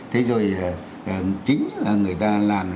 thế rồi chính là người ta làm